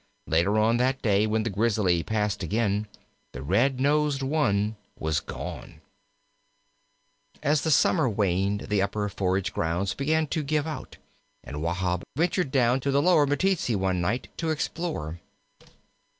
Later on that day, when the Grizzly passed again, the red nosed one had gone. As the summer waned, the upper forage grounds began to give out, and Wahb ventured down to the Lower Meteetsee one night to explore.